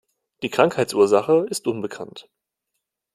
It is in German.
Die Krankheitsursache ist unbekannt.